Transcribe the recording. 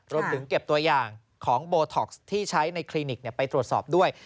รวมถึงเก็บตัวอย่างของโบท็อกซ์ที่ใช้ในคลินิกไปตรวจสอบด้วย